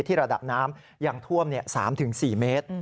ระดับน้ำยังท่วม๓๔เมตร